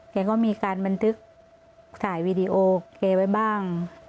แกก็มีการบันทึกถ่ายวีดีโอแกไว้บ้าง